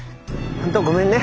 本当ごめんね。